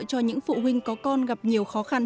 cho những phụ huynh có con gặp nhiều khó khăn